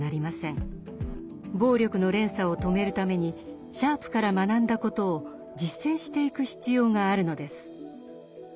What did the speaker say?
暴力の連鎖を止めるためにシャープから学んだことを実践していく必要があるのです。